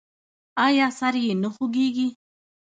ایا سر یې نه خوږیږي؟